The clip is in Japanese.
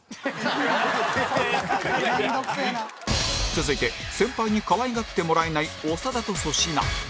続いて先輩に可愛がってもらえない長田と粗品